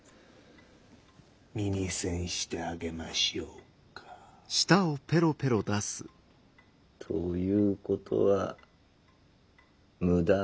耳栓してあげましょうか？ということは無駄なんだろうな。